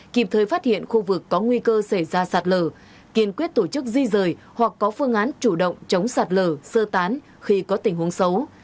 kịp thời phát hiện khu vực có nguy cơ xảy ra sạt lở kiên quyết tổ chức di rời hoặc có phương án chủ động chống sạt lở sơ tán khi có tình huống xấu